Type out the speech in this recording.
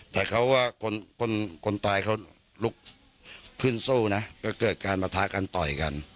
แต่เขาว่ากลพื้นสู้น่ะก็ต้องเกิดการมท้ากันต่อยกัน